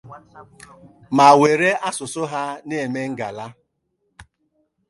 ma were asụsụ ha na-eme ngàlá